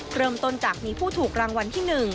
เริ่มต้นจากมีผู้ถูกรางวัลที่๑